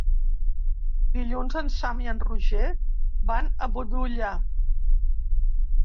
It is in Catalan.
Dilluns en Sam i en Roger van a Bolulla.